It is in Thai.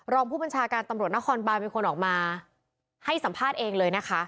รองผู้บัญชาการตำรวจนครบานเป็นคนออกมาให้สัมภาษณ์เองเลยนะคะ